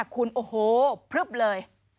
คุณโอ้โหพลึบเลย